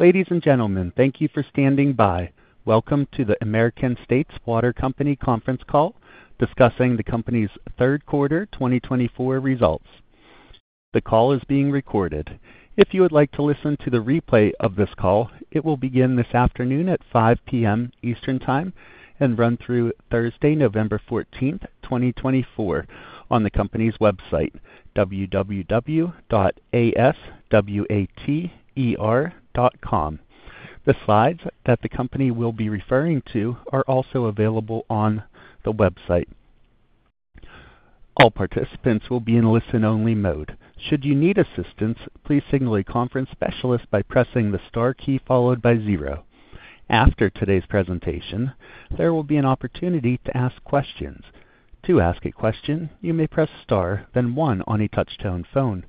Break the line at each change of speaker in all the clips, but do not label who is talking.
Ladies and gentlemen, thank you for standing by. Welcome to the American States Water Company conference call discussing the company's third quarter 2024 results. The call is being recorded. If you would like to listen to the replay of this call, it will begin this afternoon at 5:00 P.M. Eastern Time and run through Thursday, November 14th, 2024, on the company's website, www.aswater.com. The slides that the company will be referring to are also available on the website. All participants will be in listen-only mode. Should you need assistance, please signal a conference specialist by pressing the star key followed by zero. After today's presentation, there will be an opportunity to ask questions. To ask a question, you may press star, then one on a touch-tone phone.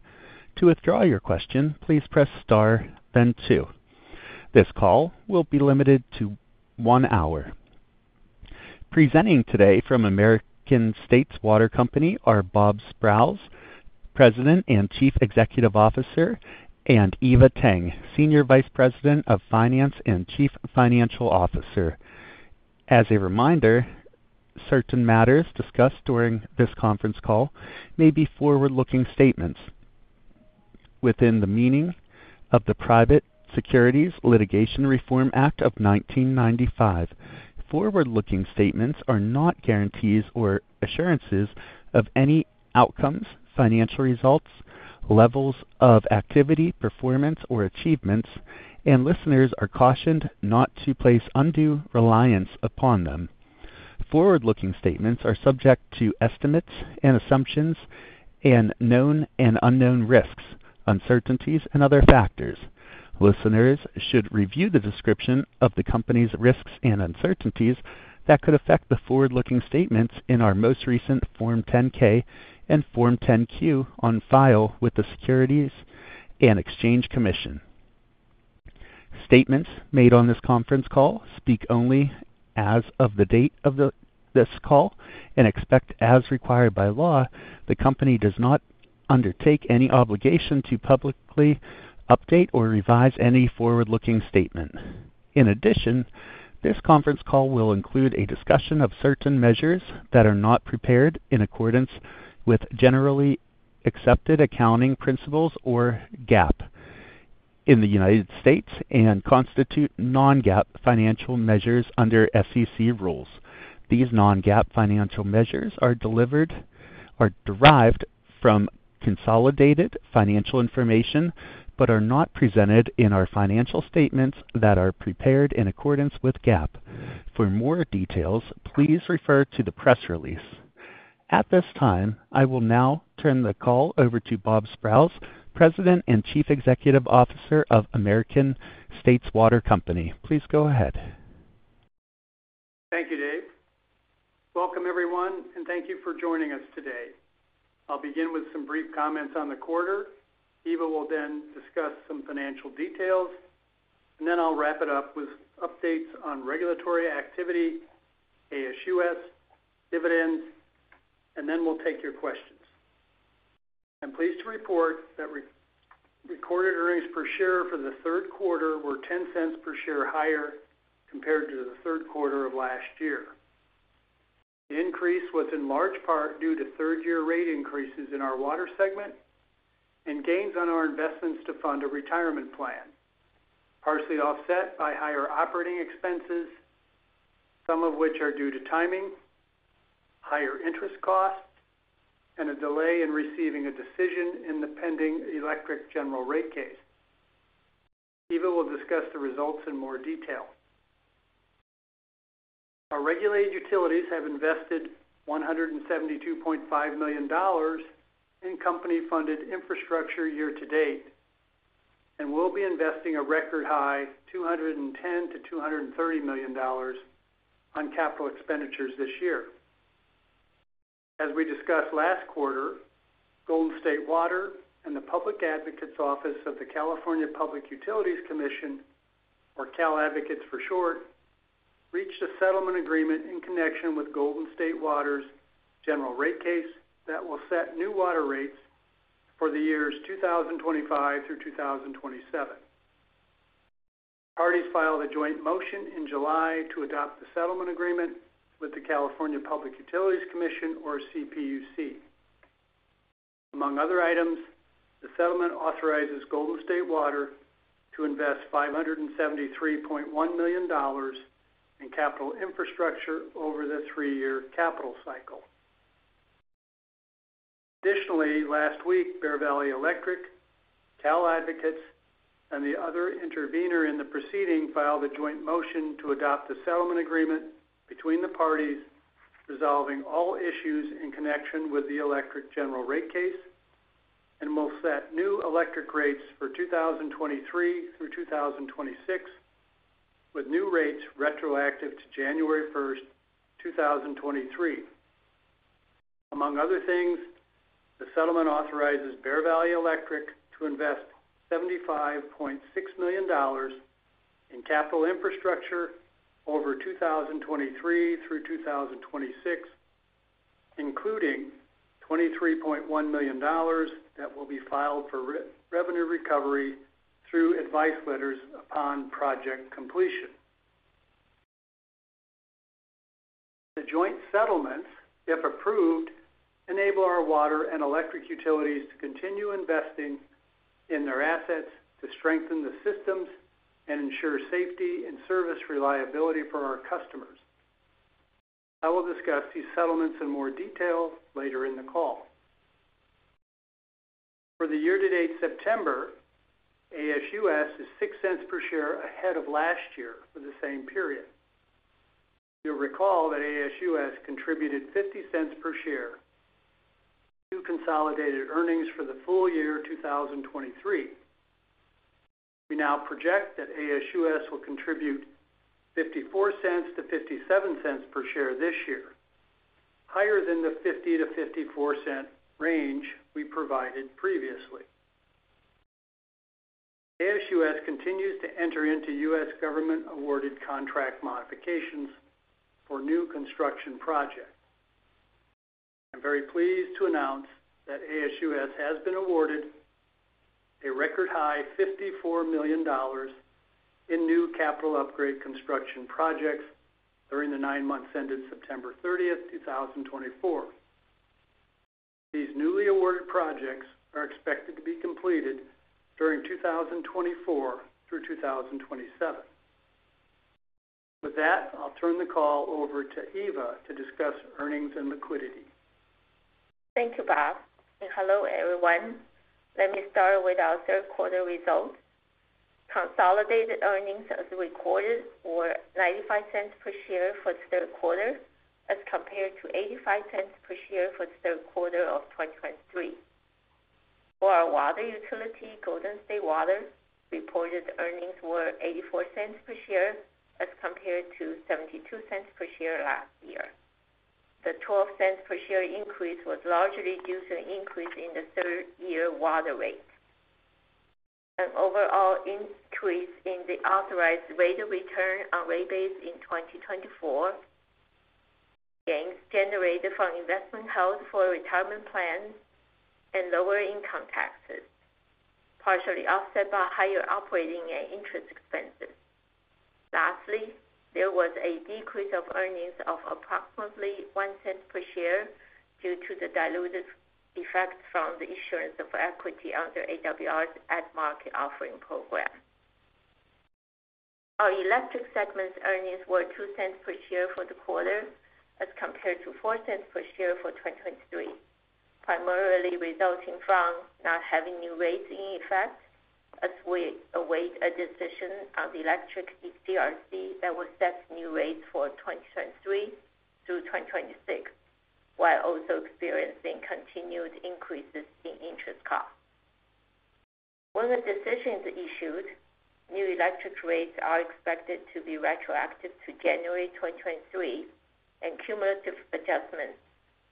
To withdraw your question, please press star, then two. This call will be limited to one hour. Presenting today from American States Water Company are Bob Sprowls, President and Chief Executive Officer, and Eva Tang, Senior Vice President of Finance and Chief Financial Officer. As a reminder, certain matters discussed during this conference call may be forward-looking statements. Within the meaning of the Private Securities Litigation Reform Act of 1995, forward-looking statements are not guarantees or assurances of any outcomes, financial results, levels of activity, performance, or achievements, and listeners are cautioned not to place undue reliance upon them. Forward-looking statements are subject to estimates and assumptions and known and unknown risks, uncertainties, and other factors. Listeners should review the description of the company's risks and uncertainties that could affect the forward-looking statements in our most recent Form 10-K and Form 10-Q on file with the Securities and Exchange Commission. Statements made on this conference call speak only as of the date of this call and except, as required by law, the company does not undertake any obligation to publicly update or revise any forward-looking statement. In addition, this conference call will include a discussion of certain measures that are not prepared in accordance with generally accepted accounting principles or GAAP in the United States and constitute non-GAAP financial measures under SEC rules. These non-GAAP financial measures are derived from consolidated financial information but are not presented in our financial statements that are prepared in accordance with GAAP. For more details, please refer to the press release. At this time, I will now turn the call over to Bob Sprowls, President and Chief Executive Officer of American States Water Company. Please go ahead.
Thank you, Dave. Welcome, everyone, and thank you for joining us today. I'll begin with some brief comments on the quarter. Eva will then discuss some financial details, and then I'll wrap it up with updates on regulatory activity, ASUS, dividends, and then we'll take your questions. I'm pleased to report that recorded earnings per share for the third quarter were $0.10 per share higher compared to the third quarter of last year. The increase was in large part due to third-year rate increases in our water segment and gains on our investments to fund a retirement plan, partially offset by higher operating expenses, some of which are due to timing, higher interest costs, and a delay in receiving a decision in the pending electric general rate case. Eva will discuss the results in more detail. Our regulated utilities have invested $172.5 million in company-funded infrastructure year to date and will be investing a record high $210 million-$230 million on capital expenditures this year. As we discussed last quarter, Golden State Water and the Public Advocates Office of the California Public Utilities Commission, or Cal Advocates for short, reached a settlement agreement in connection with Golden State Water's general rate case that will set new water rates for the years 2025 through 2027. Parties filed a joint motion in July to adopt the settlement agreement with the California Public Utilities Commission, or CPUC. Among other items, the settlement authorizes Golden State Water to invest $573.1 million in capital infrastructure over the three-year capital cycle. Additionally, last week, Bear Valley Electric, Cal Advocates, and the other intervenor in the proceeding filed a joint motion to adopt the settlement agreement between the parties, resolving all issues in connection with the electric general rate case, and will set new electric rates for 2023 through 2026, with new rates retroactive to January 1st, 2023. Among other things, the settlement authorizes Bear Valley Electric to invest $75.6 million in capital infrastructure over 2023 through 2026, including $23.1 million that will be filed for revenue recovery through advice letters upon project completion. The joint settlements, if approved, enable our water and electric utilities to continue investing in their assets to strengthen the systems and ensure safety and service reliability for our customers. I will discuss these settlements in more detail later in the call. For the year-to-date September, ASUS is $0.06 per share ahead of last year for the same period. You'll recall that ASUS contributed $0.50 per share to consolidated earnings for the full year 2023. We now project that ASUS will contribute $0.54-$0.57 per share this year, higher than the $0.50-$0.54 range we provided previously. ASUS continues to enter into U.S. government-awarded contract modifications for new construction projects. I'm very pleased to announce that ASUS has been awarded a record high $54 million in new capital upgrade construction projects during the nine months ended September 30th, 2024. These newly awarded projects are expected to be completed during 2024 through 2027. With that, I'll turn the call over to Eva to discuss earnings and liquidity.
Thank you, Bob. And hello, everyone. Let me start with our third quarter results. Consolidated earnings as recorded were $0.95 per share for the third quarter as compared to $0.85 per share for the third quarter of 2023. For our water utility, Golden State Water reported earnings were $0.84 per share as compared to $0.72 per share last year. The $0.12 per share increase was largely due to an increase in the third-year water rate. An overall increase in the authorized rate of return on rate base in 2024, gains generated from investments held for retirement plans and lower income taxes, partially offset by higher operating and interest expenses. Lastly, there was a decrease of earnings of approximately $0.01 per share due to the dilutive effects from the issuance of equity under AWR's At-Market Offering Program. Our electric segment's earnings were $0.02 per share for the quarter as compared to $0.04 per share for 2023, primarily resulting from not having new rates in effect as we await a decision on the electric ETRC that will set new rates for 2023 through 2026, while also experiencing continued increases in interest costs. When the decision is issued, new electric rates are expected to be retroactive to January 2023, and cumulative adjustments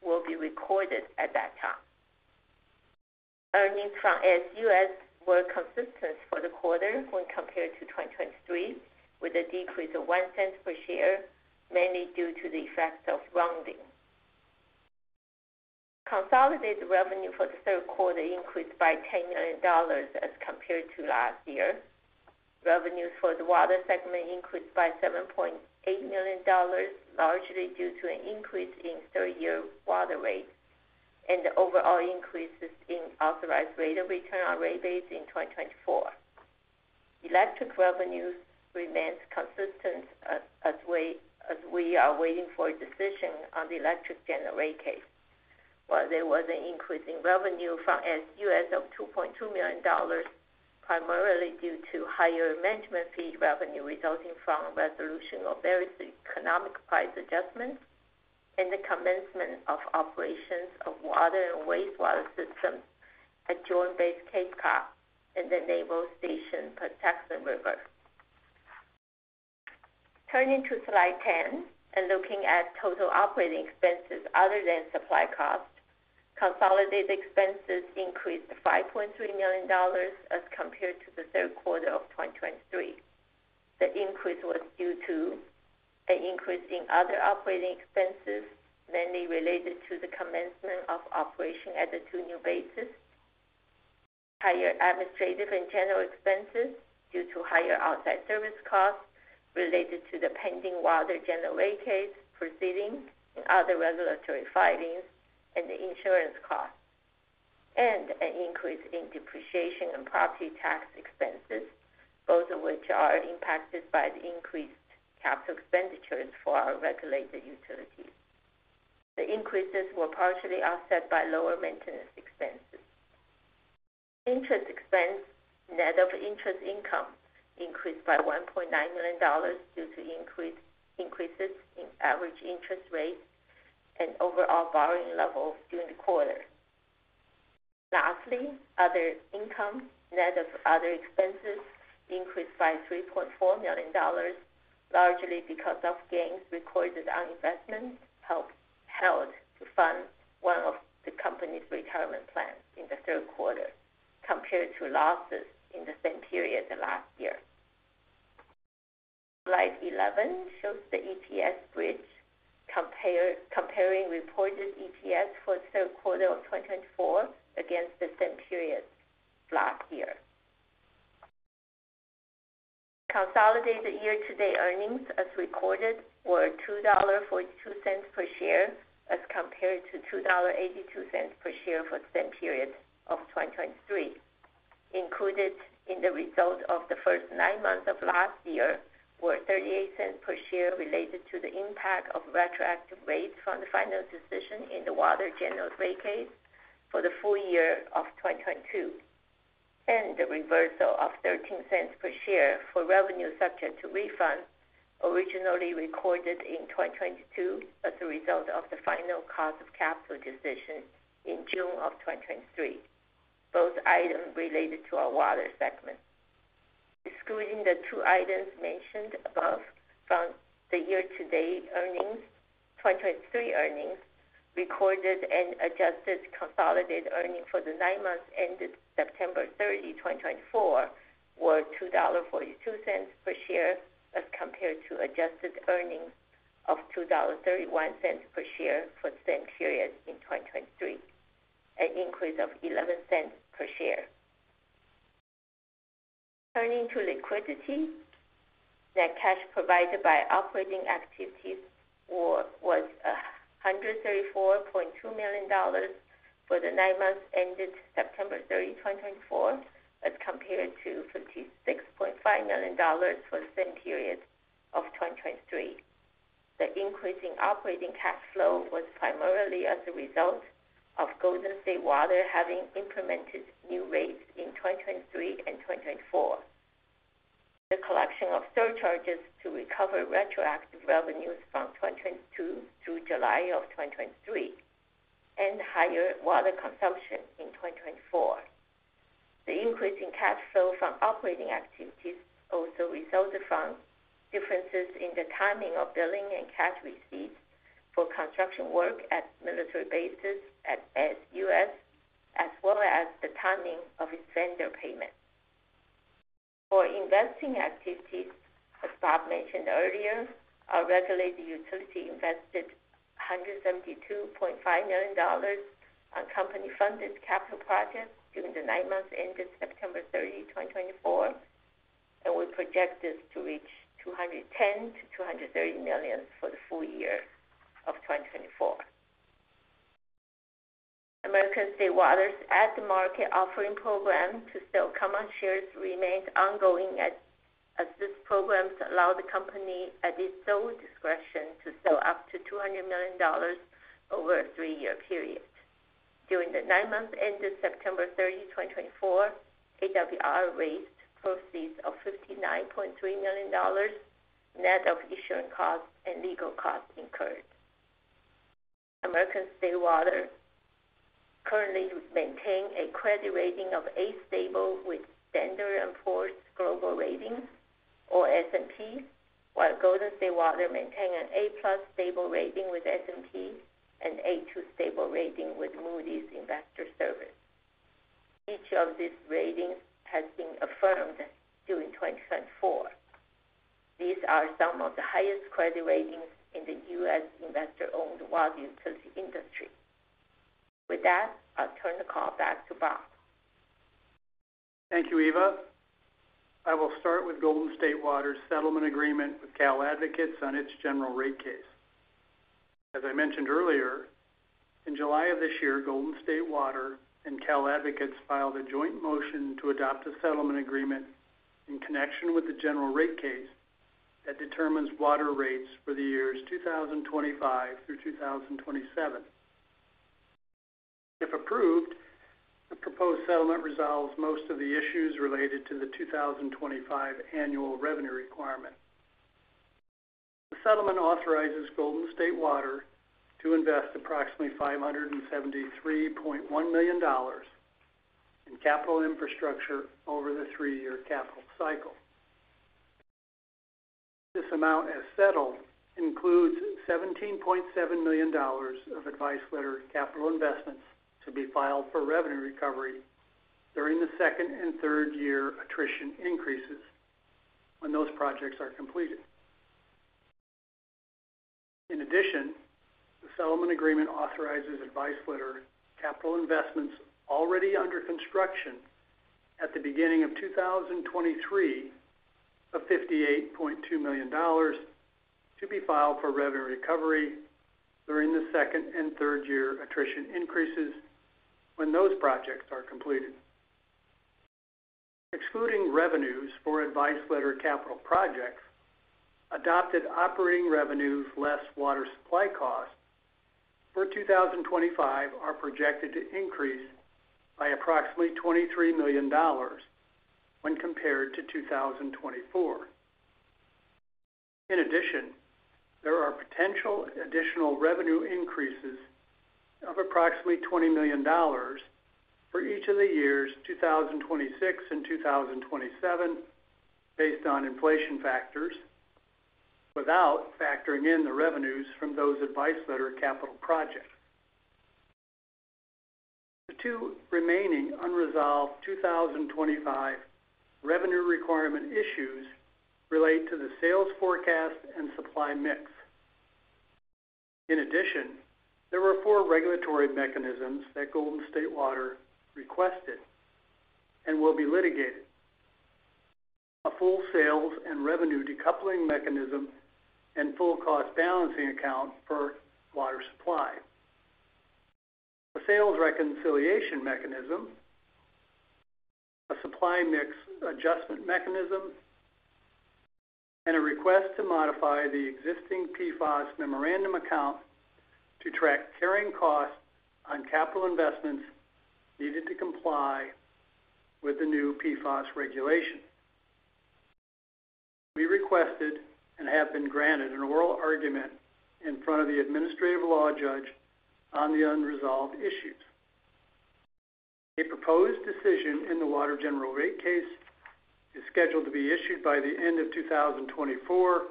will be recorded at that time. Earnings from ASUS were consistent for the quarter when compared to 2023, with a decrease of $0.01 per share, mainly due to the effects of rounding. Consolidated revenue for the third quarter increased by $10 million as compared to last year. Revenues for the water segment increased by $7.8 million, largely due to an increase in third-year water rates and overall increases in authorized rate of return on rate base in 2024. Electric revenues remained consistent as we are waiting for a decision on the electric general rate case, while there was an increase in revenue from ASUS of $2.2 million, primarily due to higher management fee revenue resulting from resolution of various economic price adjustments and the commencement of operations of water and wastewater systems at Joint Base Cape Cod and the Naval Air Station at Patuxent River. Turning to slide 10 and looking at total operating expenses other than supply costs, consolidated expenses increased $5.3 million as compared to the third quarter of 2023. The increase was due to an increase in other operating expenses, mainly related to the commencement of operation at the two new bases, higher administrative and general expenses due to higher outside service costs related to the pending water general rate case proceedings and other regulatory filings, and the insurance costs, and an increase in depreciation and property tax expenses, both of which are impacted by the increased capital expenditures for our regulated utilities. The increases were partially offset by lower maintenance expenses. Interest expense, net of interest income, increased by $1.9 million due to increases in average interest rates and overall borrowing levels during the quarter. Lastly, other income, net of other expenses, increased by $3.4 million, largely because of gains recorded on investments held to fund one of the company's retirement plans in the third quarter compared to losses in the same period last year. Slide 11 shows the ETS bridge comparing reported ETS for the third quarter of 2024 against the same period last year. Consolidated year-to-date earnings as recorded were $2.42 per share as compared to $2.82 per share for the same period of 2023. Included in the result of the first nine months of last year were $0.38 per share related to the impact of retroactive rates from the final decision in the water general rate case for the full year of 2022, and the reversal of $0.13 per share for revenue subject to refund originally recorded in 2022 as a result of the final cost of capital decision in June of 2023, both items related to our water segment. Excluding the two items mentioned above from the year-to-date earnings, 2023 earnings recorded and adjusted consolidated earnings for the nine months ended September 30, 2024, were $2.42 per share as compared to adjusted earnings of $2.31 per share for the same period in 2023, an increase of $0.11 per share. Turning to liquidity, net cash provided by operating activities was $134.2 million for the nine months ended September 30, 2024, as compared to $56.5 million for the same period of 2023. The increase in operating cash flow was primarily as a result of Golden State Water having implemented new rates in 2023 and 2024, the collection of surcharges to recover retroactive revenues from 2022 through July of 2023, and higher water consumption in 2024. The increase in cash flow from operating activities also resulted from differences in the timing of billing and cash receipts for construction work at military bases at ASUS, as well as the timing of its vendor payments. For investing activities, as Bob mentioned earlier, our regulated utility invested $172.5 million on company-funded capital projects during the nine months ended September 30, 2024, and we project this to reach $210 million-$230 million for the full year of 2024. American States Water's At-Market Offering Program to sell common shares remains ongoing as this program allows the company at its sole discretion to sell up to $200 million over a three-year period. During the nine months ended September 30, 2024, AWR raised proceeds of $59.3 million, net of issuance costs and legal costs incurred. American States Water currently maintained a credit rating of A stable with S&P Global Ratings, or S&P, while Golden State Water maintained an A+ stable rating with S&P and A-2 stable rating with Moody's Investors Service. Each of these ratings has been affirmed during 2024. These are some of the highest credit ratings in the U.S. investor-owned water utility industry. With that, I'll turn the call back to Bob.
Thank you, Eva. I will start with Golden State Water's settlement agreement with Cal Advocates on its general rate case. As I mentioned earlier, in July of this year, Golden State Water and Cal Advocates filed a joint motion to adopt a settlement agreement in connection with the general rate case that determines water rates for the years 2025 through 2027. If approved, the proposed settlement resolves most of the issues related to the 2025 annual revenue requirement. The settlement authorizes Golden State Water to invest approximately $573.1 million in capital infrastructure over the three-year capital cycle. This amount, as settled, includes $17.7 million of advice letter capital investments to be filed for revenue recovery during the second and third-year attrition increases when those projects are completed. In addition, the settlement agreement authorizes Advice Letter capital investments already under construction at the beginning of 2023 of $58.2 million to be filed for revenue recovery during the second and third-year attrition increases when those projects are completed. Excluding revenues for Advice Letter capital projects, adopted operating revenues less water supply costs for 2025 are projected to increase by approximately $23 million when compared to 2024. In addition, there are potential additional revenue increases of approximately $20 million for each of the years 2026 and 2027 based on inflation factors without factoring in the revenues from those Advice Letter capital projects. The two remaining unresolved 2025 revenue requirement issues relate to the sales forecast and supply mix. In addition, there were four regulatory mechanisms that Golden State Water requested and will be litigated: a full sales and revenue decoupling mechanism and full cost balancing account for water supply, a sales reconciliation mechanism, a supply mix adjustment mechanism, and a request to modify the existing PFOS memorandum account to track carrying costs on capital investments needed to comply with the new PFOS regulation. We requested and have been granted an oral argument in front of the administrative law judge on the unresolved issues. A proposed decision in the water general rate case is scheduled to be issued by the end of 2024,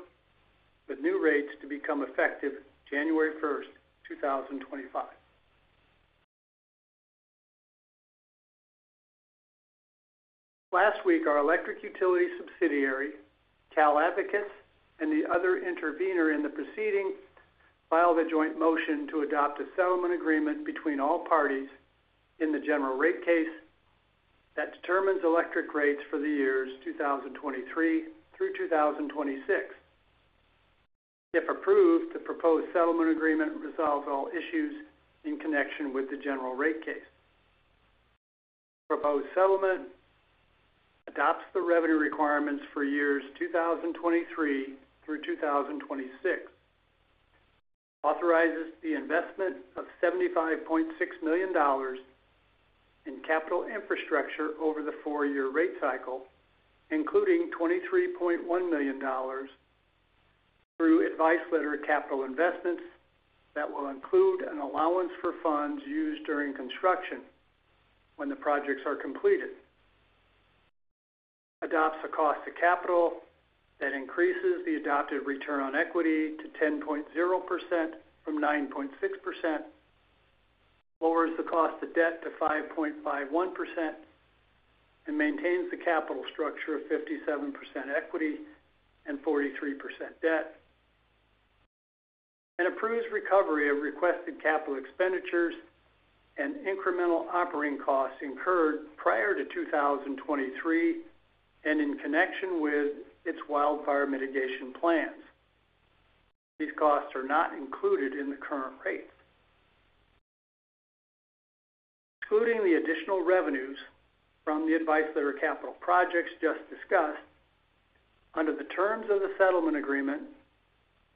with new rates to become effective January 1st, 2025. Last week, our electric utility subsidiary, Cal Advocates, and the other intervenor in the proceeding filed a joint motion to adopt a settlement agreement between all parties in the general rate case that determines electric rates for the years 2023 through 2026. If approved, the proposed settlement agreement resolves all issues in connection with the general rate case. The proposed settlement adopts the revenue requirements for years 2023 through 2026, authorizes the investment of $75.6 million in capital infrastructure over the four-year rate cycle, including $23.1 million through advice letter capital investments that will include an allowance for funds used during construction when the projects are completed, adopts a cost of capital that increases the adopted return on equity to 10.0% from 9.6%, lowers the cost of debt to 5.51%, and maintains the capital structure of 57% equity and 43% debt, and approves recovery of requested capital expenditures and incremental operating costs incurred prior to 2023 and in connection with its wildfire mitigation plans. These costs are not included in the current rates. Excluding the additional revenues from the Advice Letter capital projects just discussed, under the terms of the settlement agreement,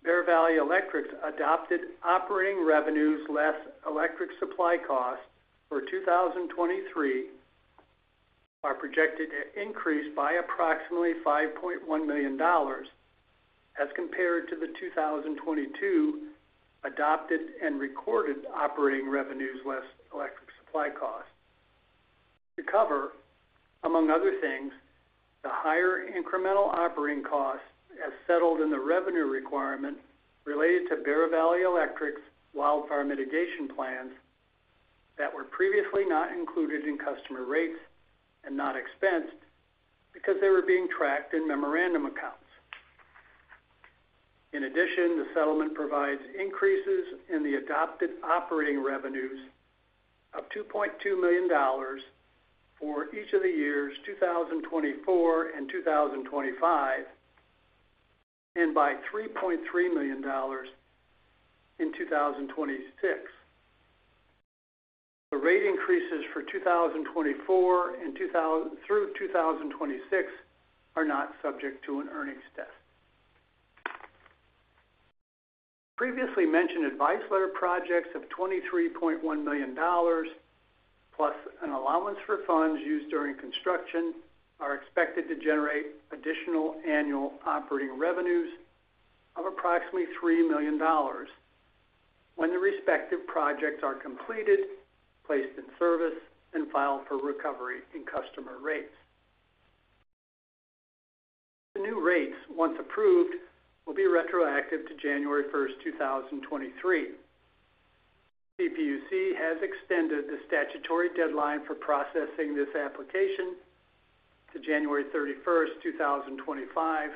Bear Valley Electric's adopted operating revenues less electric supply costs for 2023 are projected to increase by approximately $5.1 million as compared to the 2022 adopted and recorded operating revenues less electric supply costs. To cover, among other things, the higher incremental operating costs as settled in the revenue requirement related to Bear Valley Electric's wildfire mitigation plans that were previously not included in customer rates and not expensed because they were being tracked in memorandum accounts. In addition, the settlement provides increases in the adopted operating revenues of $2.2 million for each of the years 2024 and 2025, and by $3.3 million in 2026. The rate increases for 2024 and through 2026 are not subject to an earnings test. The previously mentioned advice letter projects of $23.1 million plus an allowance for funds used during construction are expected to generate additional annual operating revenues of approximately $3 million when the respective projects are completed, placed in service, and filed for recovery in customer rates. The new rates, once approved, will be retroactive to January 1st, 2023. CPUC has extended the statutory deadline for processing this application to January 31st, 2025.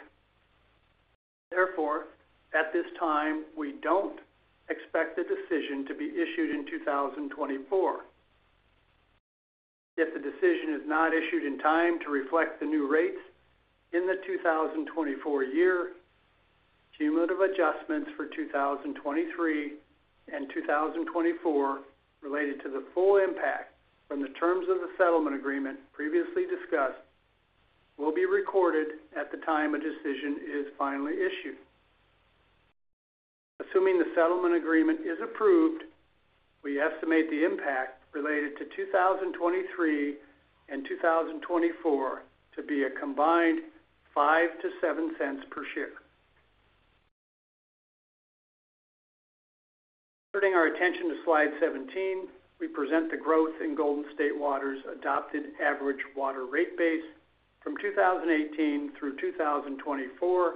Therefore, at this time, we don't expect the decision to be issued in 2024. If the decision is not issued in time to reflect the new rates in the 2024 year, cumulative adjustments for 2023 and 2024 related to the full impact from the terms of the settlement agreement previously discussed will be recorded at the time a decision is finally issued. Assuming the settlement agreement is approved, we estimate the impact related to 2023 and 2024 to be a combined $0.05-$0.07 per share. Turning our attention to Slide 17, we present the growth in Golden State Water's adopted average water rate base from 2018 through 2024,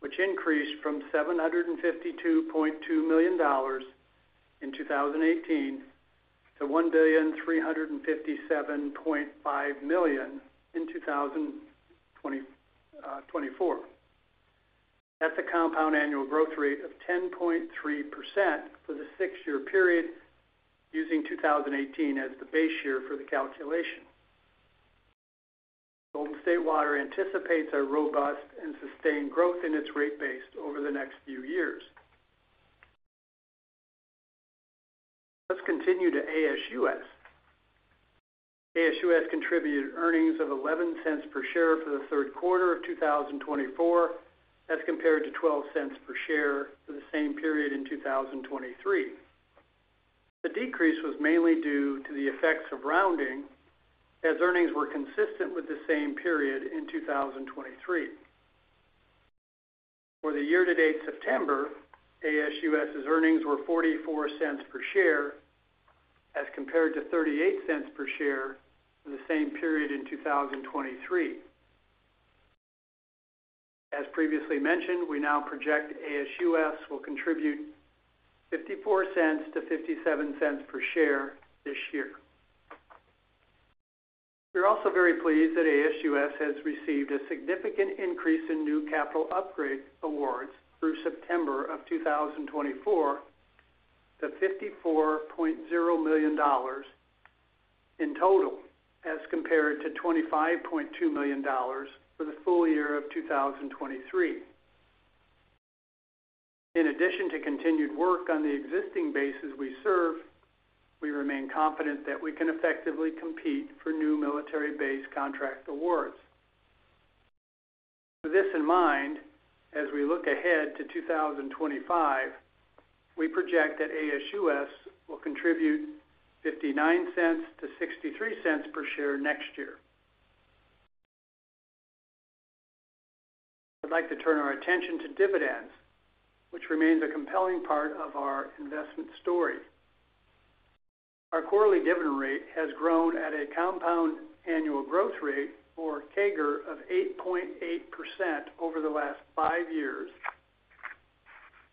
which increased from $752.2 million in 2018 to $1,357.5 million in 2024. That's a compound annual growth rate of 10.3% for the six-year period, using 2018 as the base year for the calculation. Golden State Water anticipates a robust and sustained growth in its rate base over the next few years. Let's continue to ASUS. ASUS contributed earnings of $0.11 per share for the third quarter of 2024 as compared to $0.12 per share for the same period in 2023. The decrease was mainly due to the effects of rounding, as earnings were consistent with the same period in 2023. For the year-to-date September, ASUS's earnings were $0.44 per share as compared to $0.38 per share for the same period in 2023. As previously mentioned, we now project ASUS will contribute $0.54-$0.57 per share this year. We're also very pleased that ASUS has received a significant increase in new capital upgrade awards through September of 2024 to $54.0 million in total as compared to $25.2 million for the full year of 2023. In addition to continued work on the existing bases we serve, we remain confident that we can effectively compete for new military-based contract awards. With this in mind, as we look ahead to 2025, we project that ASUS will contribute $0.59-$0.63 per share next year. I'd like to turn our attention to dividends, which remains a compelling part of our investment story. Our quarterly dividend rate has grown at a compound annual growth rate, or CAGR, of 8.8% over the last five years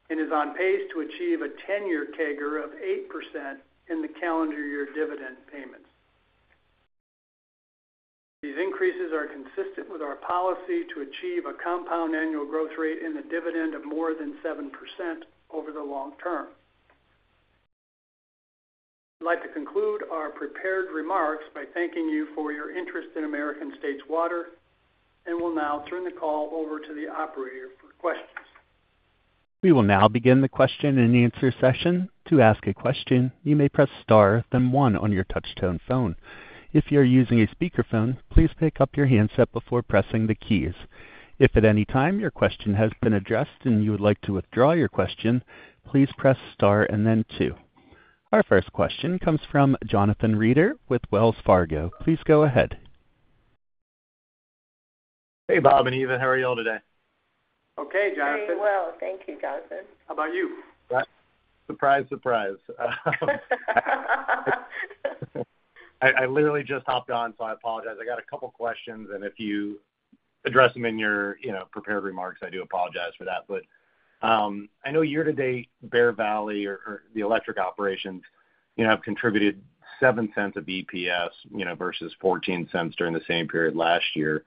and is on pace to achieve a 10-year CAGR of 8% in the calendar year dividend payments. These increases are consistent with our policy to achieve a compound annual growth rate in the dividend of more than 7% over the long term. I'd like to conclude our prepared remarks by thanking you for your interest in American States Water and will now turn the call over to the operator for questions.
We will now begin the question and answer session. To ask a question, you may press star then one on your touch-tone phone. If you're using a speakerphone, please pick up your handset before pressing the keys. If at any time your question has been addressed and you would like to withdraw your question, please press star and then two. Our first question comes from Jonathan Reeder with Wells Fargo. Please go ahead.
Hey, Bob and Eva. How are y'all today?
Okay, Jonathan.
Doing well. Thank you, Jonathan.
How about you?
Surprise, surprise. I literally just hopped on, so I apologize. I got a couple of questions, and if you address them in your prepared remarks, I do apologize for that. But I know year-to-date Bear Valley or the electric operations have contributed $0.07 of EPS versus $0.14 during the same period last year.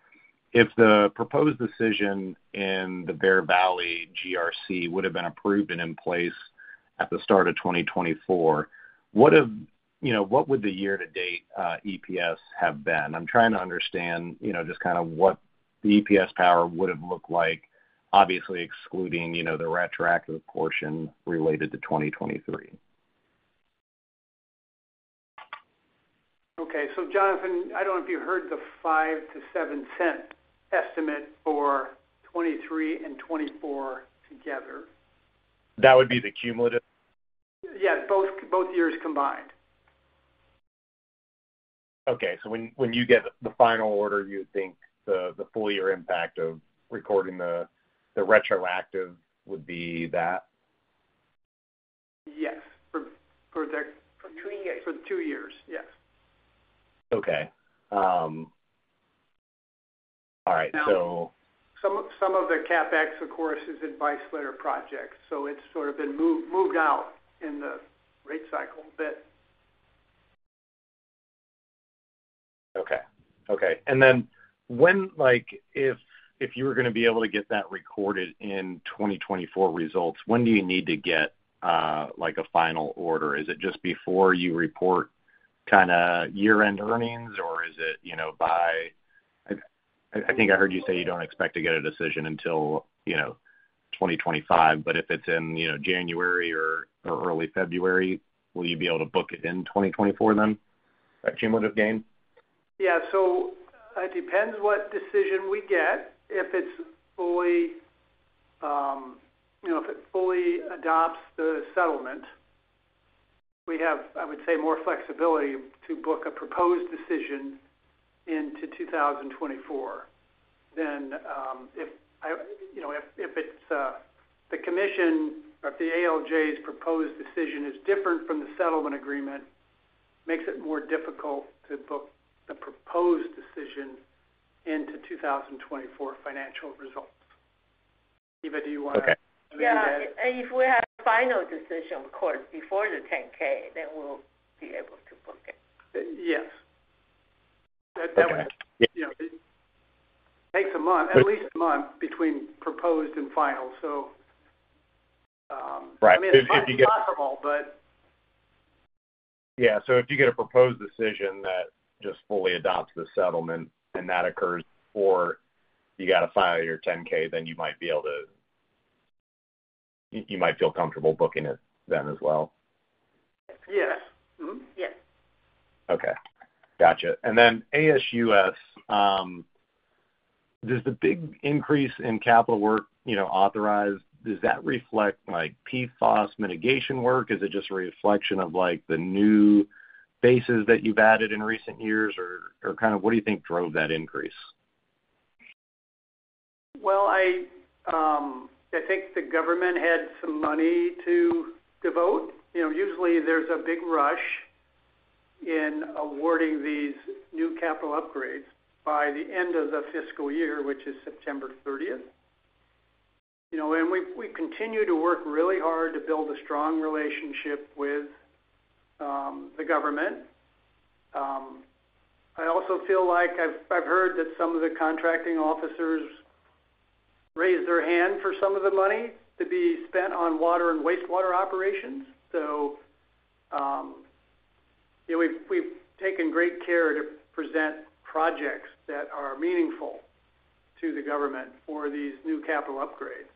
If the proposed decision in the Bear Valley GRC would have been approved and in place at the start of 2024, what would the year-to-date EPS have been? I'm trying to understand just kind of what the EPS power would have looked like, obviously excluding the retroactive portion related to 2023.
Okay. So, Jonathan, I don't know if you heard the $0.05-$0.07 estimate for 2023 and 2024 together.
That would be the cumulative?
Yeah, both years combined.
Okay. So when you get the final order, you'd think the full-year impact of recording the retroactive would be that?
Yes. For the two years, yes.
Okay. All right. So.
Now, some of the CapEx, of course, is Advice Letter projects. So it's sort of been moved out in the rate cycle a bit.
Okay. Okay. And then if you were going to be able to get that recorded in 2024 results, when do you need to get a final order? Is it just before you report kind of year-end earnings, or is it by, I think I heard you say you don't expect to get a decision until 2025, but if it's in January or early February, will you be able to book it in 2024 then, that cumulative gain?
Yeah. So it depends what decision we get. If it fully adopts the settlement, we have, I would say, more flexibility to book a proposed decision into 2024. Then if it's the commission or if the ALJ's proposed decision is different from the settlement agreement, it makes it more difficult to book the proposed decision into 2024 financial results. Eva, do you want to?
Yeah. If we have a final decision, of course, before the 10-K, then we'll be able to book it.
Yes. That would take at least a month between proposed and final, so I mean, it's possible, but.
Yeah. So if you get a proposed decision that just fully adopts the settlement and that occurs, or you got to file your 10-K, then you might be able to. You might feel comfortable booking it then as well.
Yes. Yes.
Okay. Gotcha. And then ASUS, there's the big increase in capital work authorized. Does that reflect PFOS mitigation work? Is it just a reflection of the new bases that you've added in recent years, or kind of what do you think drove that increase?
I think the government had some money to devote. Usually, there's a big rush in awarding these new capital upgrades by the end of the fiscal year, which is September 30th. We continue to work really hard to build a strong relationship with the government. I also feel like I've heard that some of the contracting officers raised their hand for some of the money to be spent on water and wastewater operations. We've taken great care to present projects that are meaningful to the government for these new capital upgrades.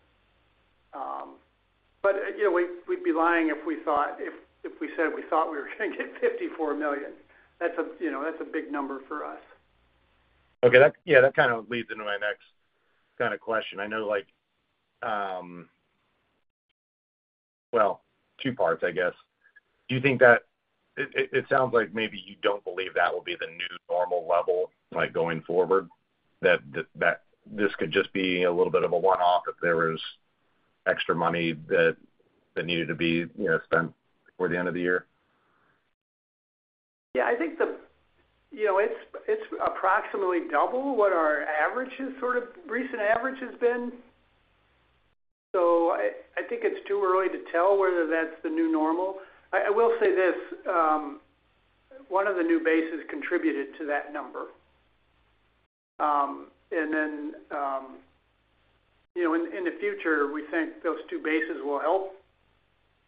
We'd be lying if we said we thought we were going to get $54 million. That's a big number for us.
Okay. Yeah. That kind of leads into my next kind of question. I know, well, two parts, I guess. Do you think that it sounds like maybe you don't believe that will be the new normal level going forward, that this could just be a little bit of a one-off if there was extra money that needed to be spent before the end of the year?
Yeah. I think it's approximately double what our average has sort of recent average has been. So I think it's too early to tell whether that's the new normal. I will say this: one of the new bases contributed to that number. And then in the future, we think those two bases will help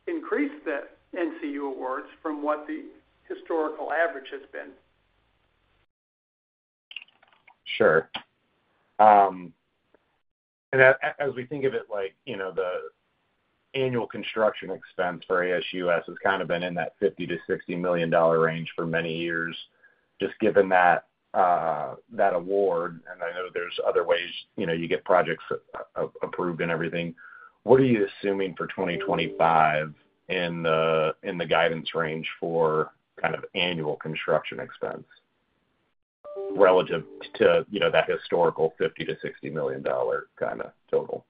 increase the NCU awards from what the historical average has been.
Sure. And as we think of it, the annual construction expense for ASUS has kind of been in that $50 million-$60 million range for many years, just given that award. And I know there's other ways you get projects approved and everything. What are you assuming for 2025 in the guidance range for kind of annual construction expense relative to that historical $50 million-$60 million kind of total?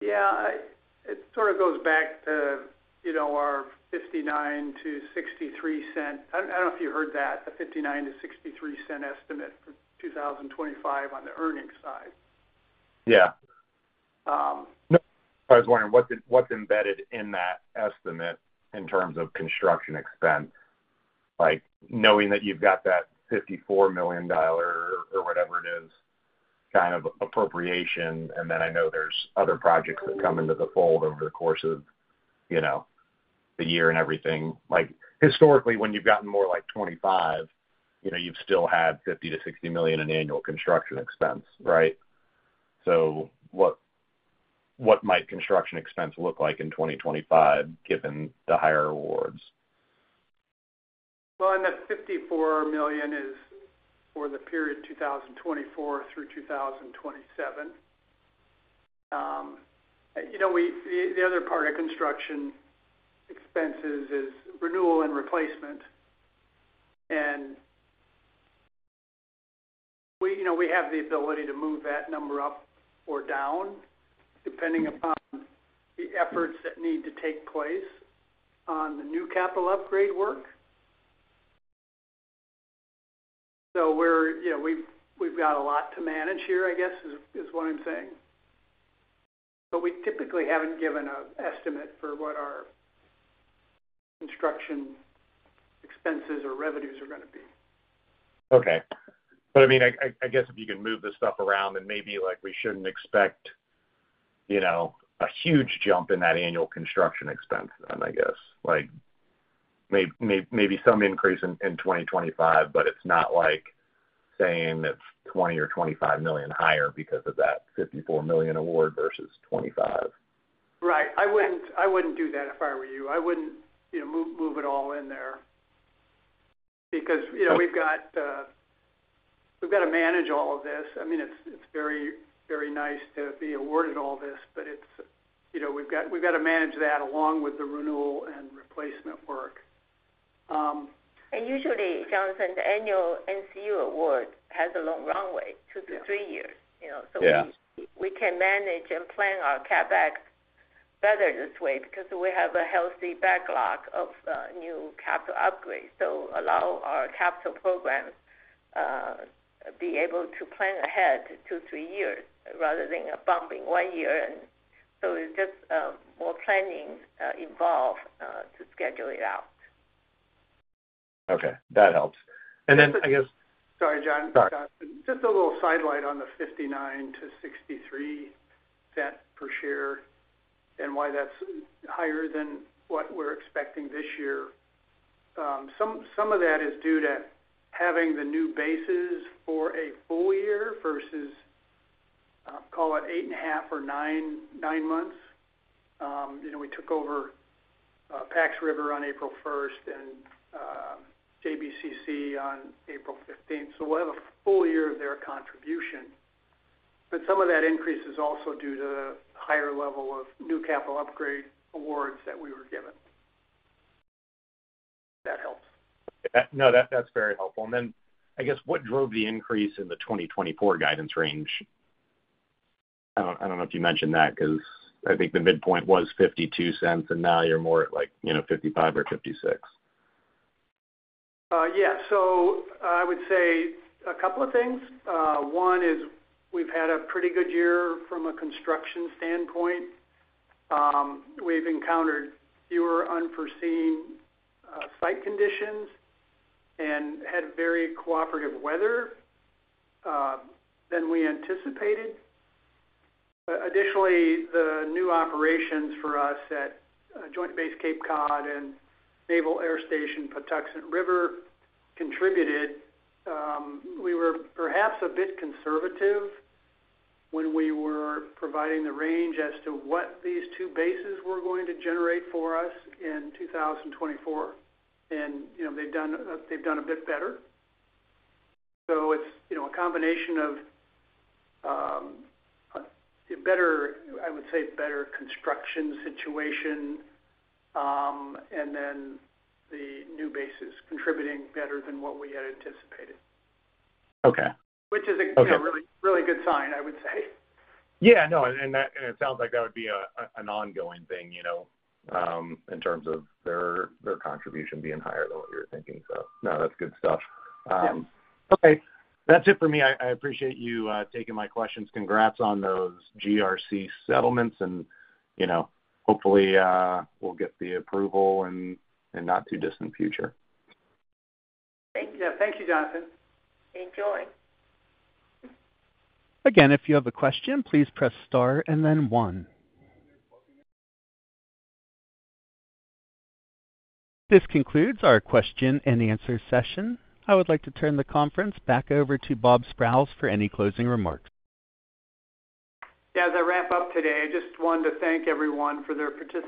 Yeah. It sort of goes back to our $0.59-$0.63. I don't know if you heard that, the $0.59-$0.63 estimate for 2025 on the earnings side.
Yeah. I was wondering what's embedded in that estimate in terms of construction expense, knowing that you've got that $54 million or whatever it is kind of appropriation. And then I know there's other projects that come into the fold over the course of the year and everything. Historically, when you've gotten more like $25 million, you've still had $50 million-$60 million in annual construction expense, right? So what might construction expense look like in 2025 given the higher awards?
The $54 million is for the period 2024 through 2027. The other part of construction expenses is renewal and replacement. We have the ability to move that number up or down depending upon the efforts that need to take place on the new capital upgrade work. We've got a lot to manage here, I guess, is what I'm saying. We typically haven't given an estimate for what our construction expenses or revenues are going to be.
Okay. But I mean, I guess if you can move this stuff around, then maybe we shouldn't expect a huge jump in that annual construction expense then, I guess. Maybe some increase in 2025, but it's not like saying it's $20 million or $25 million higher because of that $54 million award versus $25 million.
Right. I wouldn't do that if I were you. I wouldn't move it all in there because we've got to manage all of this. I mean, it's very nice to be awarded all this, but we've got to manage that along with the renewal and replacement work.
And usually, Jonathan, the annual NCU award has a long runway, two to three years. So we can manage and plan our CapEx better this way because we have a healthy backlog of new capital upgrades. So allow our capital programs to be able to plan ahead two to three years rather than bumping one year. And so it's just more planning involved to schedule it out.
Okay. That helps. And then I guess.
Sorry, Jonathan.
Sorry.
Just a little sidelight on the $0.59-$0.63 per share and why that's higher than what we're expecting this year. Some of that is due to having the new bases for a full year versus, call it, eight and a half or nine months. We took over Pax River on April 1st and JBCC on April 15th. So we'll have a full year of their contribution. But some of that increase is also due to the higher level of new capital upgrade awards that we were given. That helps.
Yeah. No, that's very helpful. And then I guess what drove the increase in the 2024 guidance range? I don't know if you mentioned that because I think the midpoint was $0.52, and now you're more at $0.55 or $0.56.
Yeah. So I would say a couple of things. One is we've had a pretty good year from a construction standpoint. We've encountered fewer unforeseen site conditions and had very cooperative weather than we anticipated. Additionally, the new operations for us at Joint Base Cape Cod and Naval Air Station Patuxent River contributed. We were perhaps a bit conservative when we were providing the range as to what these two bases were going to generate for us in 2024. And they've done a bit better. So it's a combination of, I would say, better construction situation and then the new bases contributing better than what we had anticipated, which is a really good sign, I would say.
Yeah. No. And it sounds like that would be an ongoing thing in terms of their contribution being higher than what you were thinking. So no, that's good stuff. Okay. That's it for me. I appreciate you taking my questions. Congrats on those GRC settlements. And hopefully, we'll get the approval in not too distant future.
Thank you. Thank you, Jonathan.
Enjoy.
Again, if you have a question, please press star and then one. This concludes our question and answer session. I would like to turn the conference back over to Bob Sprowls for any closing remarks.
Yeah. As I wrap up today, I just wanted to thank everyone for their [participation].